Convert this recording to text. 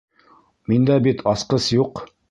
Миндә бит... асҡыс юҡ...